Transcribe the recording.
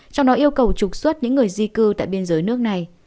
trong đó yêu cầu trục xuất những người di cư tại biên giới nước này